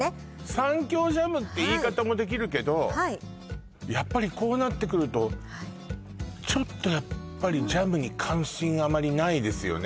３強ジャムって言い方もできるけどやっぱりこうなってくるとちょっとやっぱりジャムに関心があまりないですよね